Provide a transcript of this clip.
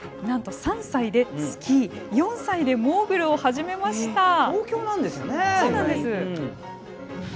なんと３歳でスキー４歳でモーグルを始めました。